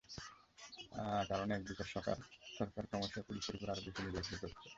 কারণ, একদিকে সরকার ক্রমেই পুলিশের ওপর আরও বেশি হারে নির্ভরশীল হচ্ছে।